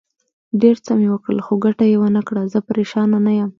ډېر څه مې وکړل، خو ګټه یې ونه کړه، زه پرېشانه نه یم.